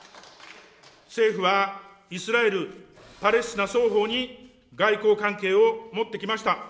政府はイスラエル・パレスチナ双方に外交関係を持ってきました。